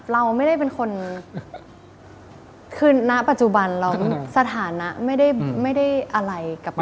เราไม่ได้เป็นคนคือณปัจจุบันเราสถานะไม่ได้อะไรกับเรา